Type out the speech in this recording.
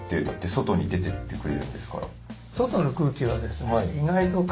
外に出てってくれるんですから。